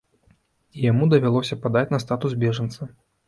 І яму давялося падаць на статус бежанца.